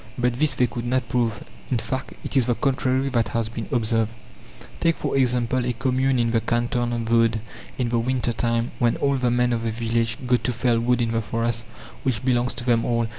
But this they could not prove; in fact, it is the contrary that has been observed. Take for example a commune in the canton of Vaud, in the winter time, when all the men of the village go to fell wood in the forest, which belongs to them all.